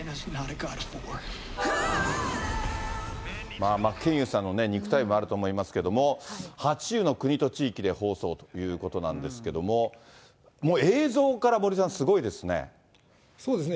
まあ真剣佑さんの肉体美もあると思いますけれども、８０の国と地域で放送ということなんですけども、もう映像から、そうですね。